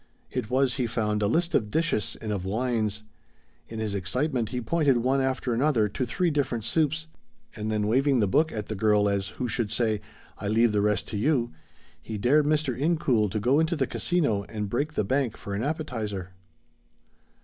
It was, he found, a list of dishes and of wines. In his excitement, he pointed one after another to three different soups, and then waving the book at the girl as who should say, "I leave the rest to you," he dared Mr. Incoul to go into the Casino and break the bank for an appetizer.